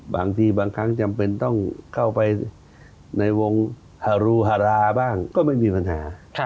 บางทีบางครั้งจำเป็นต้องเข้าไปในวงฮารูฮาราบ้างก็ไม่มีปัญหา